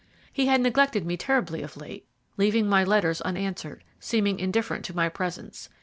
He had neglected me terribly of late, leaving my letters unanswered, seeming indifferent to my presence.